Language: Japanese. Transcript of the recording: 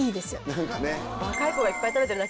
何かね。